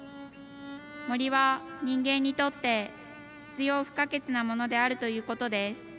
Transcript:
森は人間にとって必要不可欠なものであるということです。